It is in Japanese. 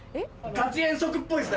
ガチ遠足っぽいです。